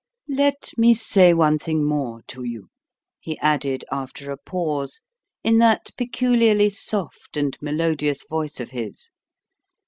Let me say one thing more to you," he added, after a pause, in that peculiarly soft and melodious voice of his.